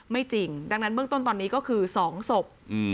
จริงดังนั้นเบื้องต้นตอนนี้ก็คือ๒ศพ